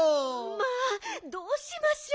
まあどうしましょう。